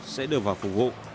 sẽ đưa vào phục vụ